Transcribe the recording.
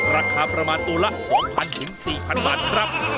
ราคาประมาณตัวละ๒๐๐๔๐๐บาทครับ